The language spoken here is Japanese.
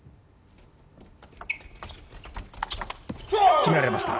決められました。